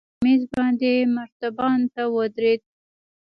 شريف په مېز باندې مرتبان ته ودرېد.